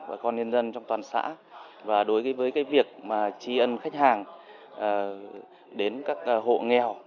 bà con nhân dân trong toàn xã và đối với cái việc mà tri ân khách hàng đến các hộ nghèo